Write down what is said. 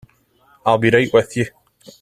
I'll be right with you.